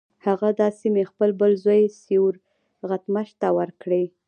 هغه دا سیمې خپل بل زوی سیورغتمش ته ورکړې.